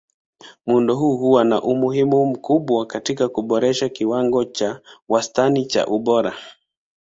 Muundo huu huwa na umuhimu mkubwa katika kuboresha kiwango cha wastani cha ubora.